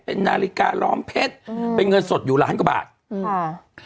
เป็นนาฬิกาล้อมเพชรอืมเป็นเงินสดอยู่ล้านกว่าบาทอืมค่ะ